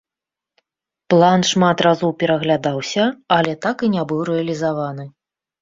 План шмат разоў пераглядаўся, але так і не быў рэалізаваны.